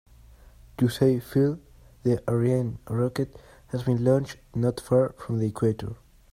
To save fuel, the Ariane rocket has been launched not far from the equator.